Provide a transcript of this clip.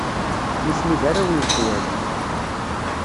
Nitni d arraw n lexwal.